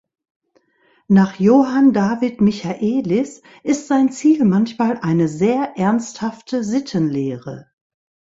Nach Johann David Michaelis ist sein Ziel manchmal eine „sehr ernsthafte Sitten-Lehre“.